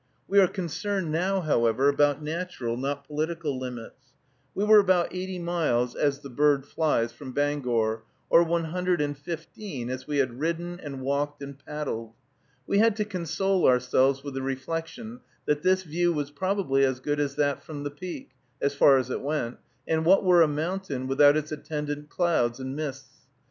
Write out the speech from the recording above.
We are concerned now, however, about natural, not political limits. We were about eighty miles, as the bird flies, from Bangor, or one hundred and fifteen, as we had ridden, and walked, and paddled. We had to console ourselves with the reflection that this view was probably as good as that from the peak, as far as it went; and what were a mountain without its attendant clouds and mists?